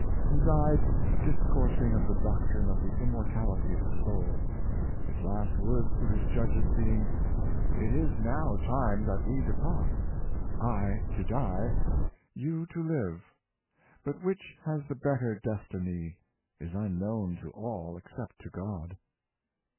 He died discoursing of the doctrine of the immortality of the soul; his last words to his judges being, '' it is now time that we depart — I to die, you to live; but which has the better destiny is unknown to all except to God.'